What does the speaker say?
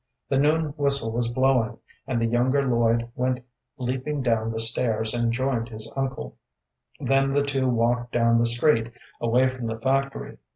The noon whistle was blowing, and the younger Lloyd went leaping down the stairs and joined his uncle, then the two walked down the street, away from the factory.